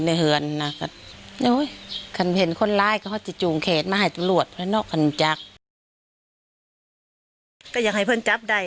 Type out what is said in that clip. แต่ว่าเขามีก็มาหุ้นในเยือนไห้ก่อนนะคะ